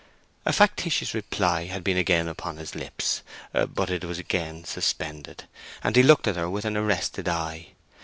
A factitious reply had been again upon his lips, but it was again suspended, and he looked at her with an arrested eye.